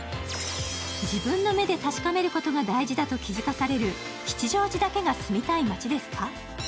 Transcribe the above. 自分の目で確かめることが大事だと気づかされる「吉祥寺だけが住みたい街ですか？」